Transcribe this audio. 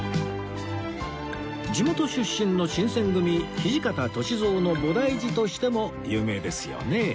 地元出身の新選組土方歳三の菩提寺としても有名ですよね